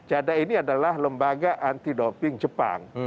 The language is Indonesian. jada ini adalah lembaga anti doping jepang